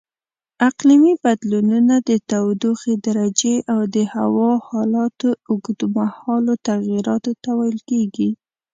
اقلیمي بدلونونه د تودوخې درجې او د هوا حالاتو اوږدمهالو تغییراتو ته ویل کېږي.